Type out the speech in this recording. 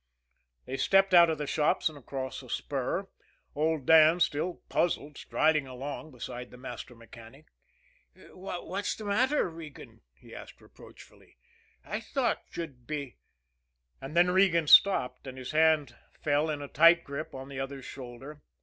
They stepped out of the shops, and across a spur old Dan, still puzzled, striding along beside the master mechanic. "What's the matter, Regan?" he asked reproachfully. "I thought you'd be " And then Regan stopped and his hand fell in a tight grip on the other's shoulder.